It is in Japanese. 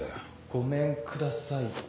・ごめんください